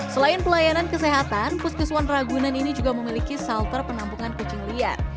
selain pelayanan kesehatan puskesuan ragunan ini juga memiliki salter penampungan kucing liar